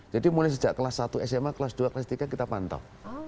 jadi mulai sejak kelas satu sma kelas dua kelas tiga kita pantau